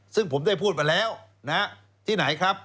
ซึ่งผมได้พูดมาแล้วที่ไหนครับ